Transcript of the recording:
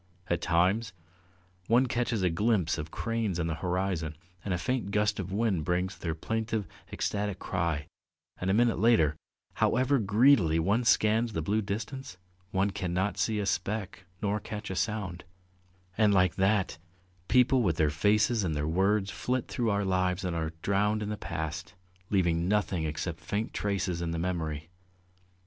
At times one catches a glimpse of cranes on the horizon, and a faint gust of wind brings their plaintive, ecstatic cry, and a minute later, however greedily one scans the blue distance, one cannot see a speck nor catch a sound; and like that, people with their faces and their words flit through our lives and are drowned in the past, leaving nothing except faint traces in the memory.